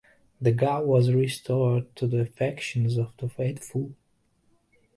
The god was restored to the affections of the faithful.